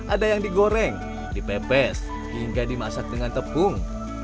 ada yang digoreng dipepes hingga dimasak dengan tepung